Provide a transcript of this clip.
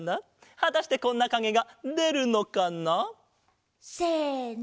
はたしてこんなかげがでるのかな？せの！